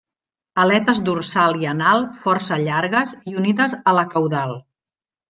Aletes dorsal i anal força llargues i unides a la caudal.